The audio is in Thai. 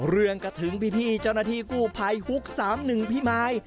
เรื่องกระถึงพี่เจ้าหน้าที่กู้ไพรฮุก๓๑พี่มาย